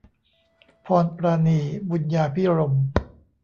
พรปราณี บุญญาภิรมย์